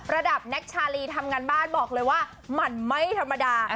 แน็กชาลีทำงานบ้านบอกเลยว่ามันไม่ธรรมดา